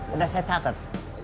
udah saya catat